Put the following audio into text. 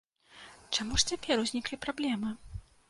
Чаму ж цяпер узніклі праблемы?